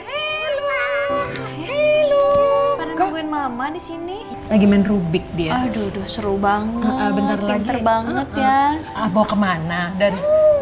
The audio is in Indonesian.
lalu lalu kalau nungguin mama di sini lagi main rubik dia duduk seru banget